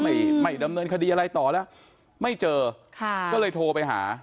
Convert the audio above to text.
ไม่ไม่ดำเนินคดีอะไรต่อแล้วไม่เจอค่ะก็เลยโทรไปหา